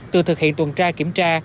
từ thực hiện tuần tra kiểm tra